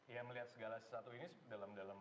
ya melihat segala sesuatu ini dalam dalam